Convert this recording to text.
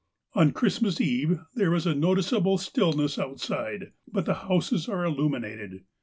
" On Christmas Eve there is a noticeable stillness outside, but the houses are illuminated.